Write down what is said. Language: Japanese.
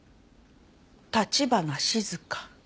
橘静香。